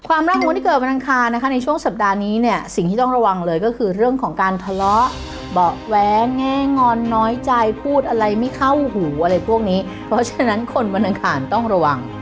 ร่างของคนที่เกิดวันอังคารนะคะในช่วงสัปดาห์นี้เนี่ยสิ่งที่ต้องระวังเลยก็คือเรื่องของการทะเลาะเบาะแว้งแง่งอนน้อยใจพูดอะไรไม่เข้าหูอะไรพวกนี้เพราะฉะนั้นคนวันอังคารต้องระวัง